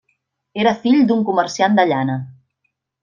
Era fill d'un comerciant de llana.